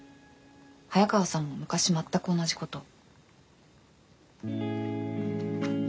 早川さんも昔全く同じことを。